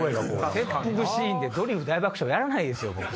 切腹シーンで『ドリフ大爆笑』やらないですよ。